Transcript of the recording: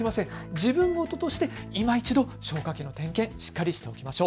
自分ごととして、いま一度消火器の点検しっかりしておきましょう。